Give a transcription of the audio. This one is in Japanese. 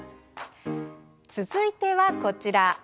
続いては、こちら。